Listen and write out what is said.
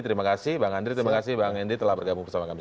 terima kasih bang andre terima kasih bang hendy telah bergabung bersama kami